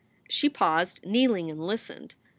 She paused, kneeling, and listened.